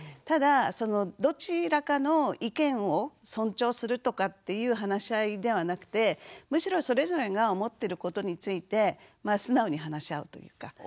ただどちらかの意見を尊重するとかっていう話し合いではなくてむしろそれぞれが思ってることについて素直に話し合うというか。